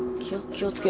気をつけ。